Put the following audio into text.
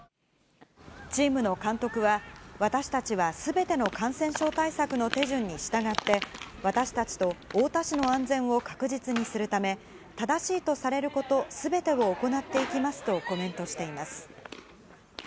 チームの監督は、私たちはすべての感染症対策の手順に従って、私たちと太田市の安全を確実にするため、正しいとされることすべてを行っていきますとコメントしています。